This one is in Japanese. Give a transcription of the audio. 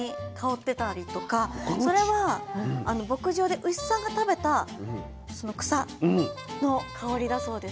それは牧場で牛さんが食べたその草の香りだそうです。